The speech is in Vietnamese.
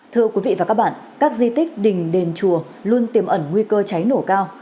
thưa quý vị và các bạn các di tích đình đền chùa luôn tiềm ẩn nguy cơ cháy nổ cao